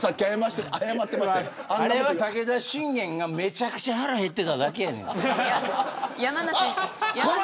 あれは武田信玄がめちゃくちゃ腹減ってただけやねん。